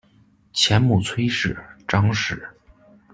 前母崔氏；张氏。